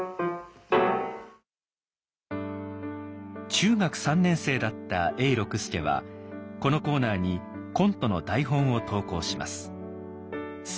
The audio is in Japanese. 中学３年生だった永六輔はこのコーナーにコントの台本を投稿します。